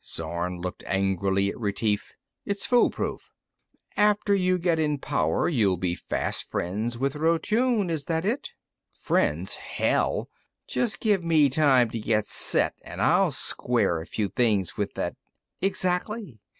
Zorn looked angrily at Retief. "It's fool proof." "After you get in power, you'll be fast friends with Rotune, is that it?" "Friends, hell! Just give me time to get set, and I'll square a few things with that " "Exactly.